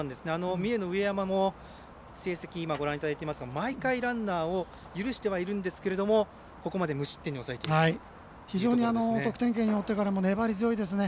三重の上山も成績をご覧いただいていますが毎回、ランナーを許してはいるんですがここまで無失点に非常に得点圏に置いてからも粘り強いですね。